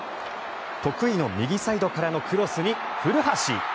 得意の右サイドからのクロスに古橋。